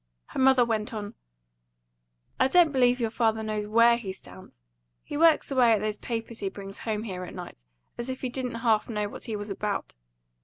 Her mother went on "I don't believe your father knows WHERE he stands. He works away at those papers he brings home here at night, as if he didn't half know what he was about.